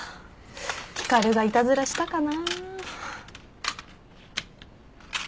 光がいたずらしたかな？